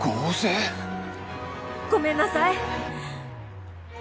ごめんなさい。